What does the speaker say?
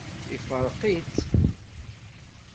Ifṛeq-itt.